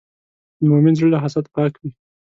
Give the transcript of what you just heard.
د مؤمن زړه له حسد پاک وي.